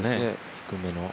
低めの。